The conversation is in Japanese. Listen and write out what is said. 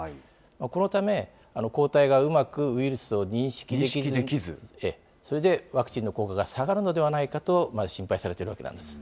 このため、抗体がうまくウイルスを認識できず、それでワクチンの効果が下がるのではないかと心配されているわけなんです。